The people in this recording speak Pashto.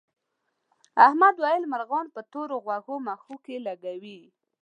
احمد وویل مرغان پر تور غوږو مښوکې لکوي.